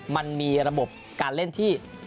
มันมีระบบการเล่นที่